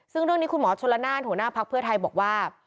ซึ่งหรือนี้คุณหมอโชลนนานัทหัวหน้าภักดิ์เพื่อไทยบอกว่า